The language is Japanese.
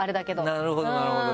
なるほどなるほど！